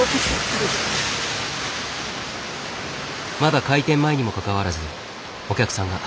まだ開店前にもかかわらずお客さんが。